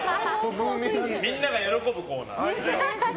みんなが喜ぶコーナー。